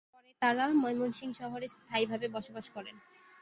পরে তাঁরা ময়মনসিংহ শহরে স্থায়িভাবে বসবাস করেন।